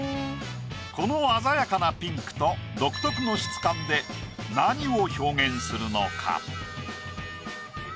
この鮮やかなピンクと独特の質感で何を表現するのか？